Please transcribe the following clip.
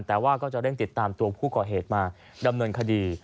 แต่ว่าก็จะเร่งติดตามตัวผู้ก่อเหตุมาดำเนินคดี